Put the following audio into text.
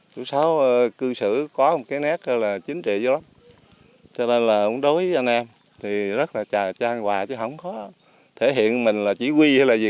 chú sáu cư xử có một cái nét là chính trị vô lắm cho nên là ông đối với anh em thì rất là tràn hoài chứ không có thể hiện mình là chỉ huy hay là gì